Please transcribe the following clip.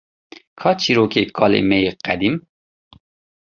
Ka çîrokê kalê me yê qedîm?